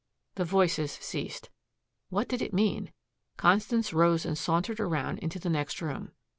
The voices ceased. What did it mean! Constance rose and sauntered around into the next room.